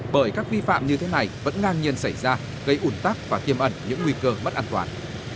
bởi các vi phạm như thế này vẫn ngang nhiên xảy ra gây ủn tắc và tiêm ẩn những nguy cơ mất an toàn